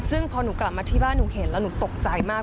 ซึ่งพอหนูกลับมาที่บ้านหนูเห็นแล้วหนูตกใจมาก